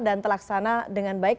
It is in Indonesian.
dan telaksana dengan baik